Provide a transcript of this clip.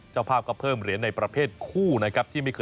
และเฉพาะเพิ่มเท่าเหรียญในประเภทคู่ที่ไม่เคยจัดมาก่อน